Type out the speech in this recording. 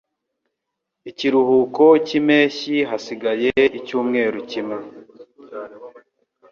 Ikiruhuko cyimpeshyi hasigaye icyumweru kimwe.